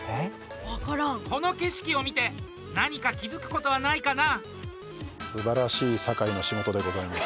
この景色を見て何か気付くことはないかな。